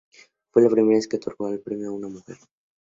Fue la primera vez que otorgaron el premio a una mujer.